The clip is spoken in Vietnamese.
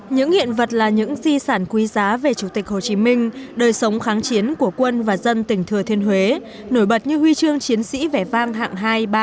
những hiện vật là những di sản quý giá về chủ tịch hồ chí minh đời sống kháng chiến của quân và dân tỉnh thừa thiên huế nổi bật như huy chương chiến sĩ vẻ vang hạng hai ba